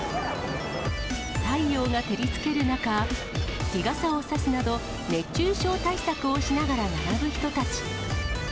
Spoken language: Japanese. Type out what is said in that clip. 太陽が照りつける中、日傘を差すなど、熱中症対策をしながら並ぶ人たち。